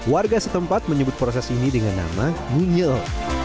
warga setempat menyebut proses ini dengan nama munyel